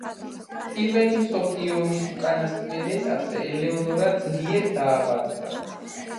პირველი მსოფლიო ომის უკანასკნელ ეტაპზე ელეონორა ძლიერ დაავადდა.